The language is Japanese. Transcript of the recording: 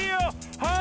はい！